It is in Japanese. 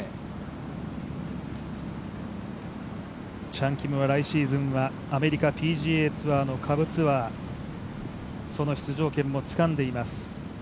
チャン・キムは来シーズンはアメリカのＰＧＡツアーの下部ツアーその出場権もつかんでいます。